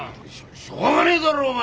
しょうがねえだろお前。